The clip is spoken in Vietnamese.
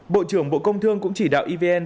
bộ trưởng bộ công thương cũng chỉ đạo evn